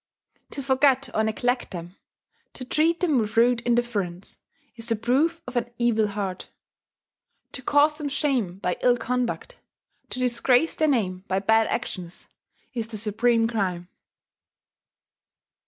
To forget or neglect them, to treat them with rude indifference, is the proof of an evil heart; to cause them shame by ill conduct, to disgrace their name by bad actions, is the supreme crime.